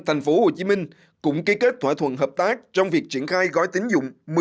thành phố hồ chí minh cũng kế kết thỏa thuận hợp tác trong việc triển khai gói tín dụng một mươi